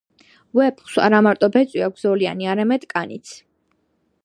ვეფხვს არა მარტო ბეწვი აქვს ზოლიანი, არამედ კანიც.